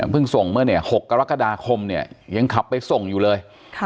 ส่งเมื่อ๖กรกฎาคมเนี่ยยังขับไปส่งอยู่เลย